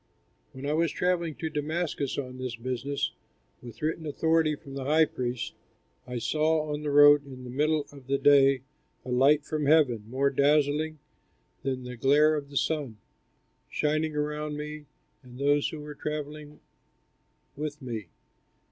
When I was travelling to Damascus on this business, with written authority from the high priests, I saw, on the road in the middle of the day, a light from heaven, more dazzling than the glare of the sun, shining around me and those who were travelling with me.